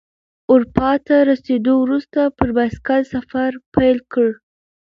اروپا ته رسیدو وروسته پر بایسکل سفر پیل کړ.